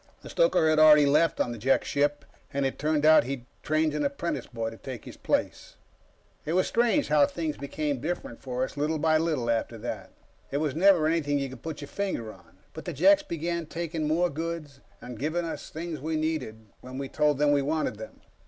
The stoker had already left on the Jek ship, and it turned out he'd trained an apprentice boy to take his place. It was strange how things became different for us, little by little after that. It was never anything you could put your finger on, but the Jeks began taking more goods, and giving us things we needed when we told them we wanted them.